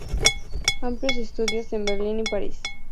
Amplió estudios en Berlín y París.